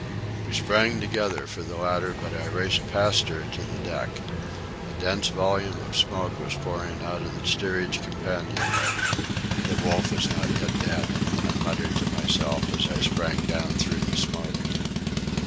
We sprang together for the ladder, but I raced past her to the deck. A dense volume of smoke was pouring out of the steerage companion way. "The Wolf is not yet dead," I muttered to myself as I sprang down through the smoke.